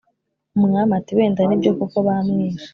Umwami ati «wenda nibyo koko bamwishe,